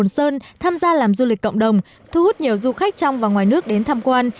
sơn tham gia làm du lịch cộng đồng thu hút nhiều du khách trong và ngoài nước đến tham quan